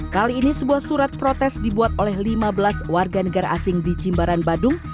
kali ini sebuah surat protes dibuat oleh lima belas warga negara asing di jimbaran badung